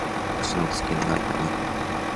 足の付け根が痛む。